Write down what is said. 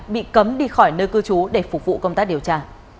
bị cấm đi khỏi nơi cư trú để phục vụ công tác điều tra